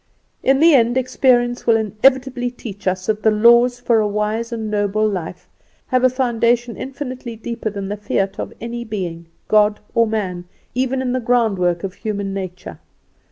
"In the end experience will inevitably teach us that the laws for a wise and noble life have a foundation infinitely deeper than the fiat of any being, God or man, even in the groundwork of human nature.